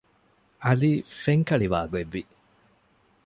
ޢަލީ ފެންކަޅިވާގޮތް ވި